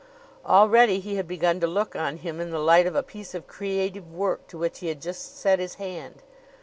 Already he had begun to look on him in the light of a piece of creative work to which he had just set his hand.